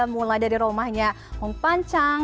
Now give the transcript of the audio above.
mulai dari rumahnya hong pan chang